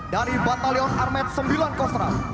dari batalion armet sembilan kostras